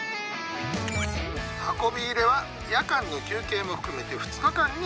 運び入れは夜間の休憩も含めて２日間にまたがったよ。